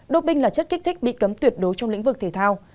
đô binh là chất kích thích bị cấm tuyệt đối trong lĩnh vực thể thao